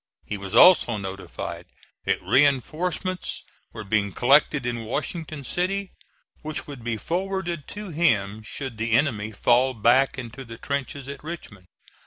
He was also notified that reinforcements were being collected in Washington City, which would be forwarded to him should the enemy fall back into the trenches at Richmond.